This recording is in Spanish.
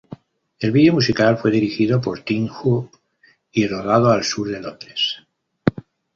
El video musical fue dirigido por Tim Hope y rodado al sur de Londres.